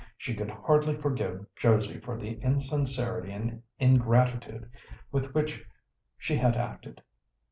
She could hardly forgive Josie for the insincerity and ingratitude with which she had acted.